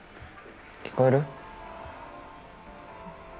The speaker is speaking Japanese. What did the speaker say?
聞こえる？